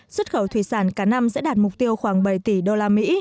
xuất khẩu thủy sản cả năm sẽ đạt mục tiêu khoảng bảy tỷ usd